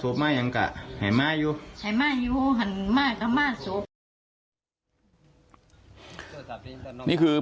นี่คือพี่เคยของผู้ตายนะครับบอกว่าบ่ายเมื่อวานที่เก่า